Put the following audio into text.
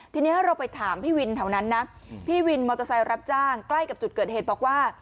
ทีนี้เราไปถามพี่วินแถวนั้นนะพี่วินมอเตอร์ไซค์รับจ้างใกล้กับจุดเกิดเหตุบอกว่า